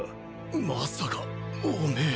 まさかおめえ。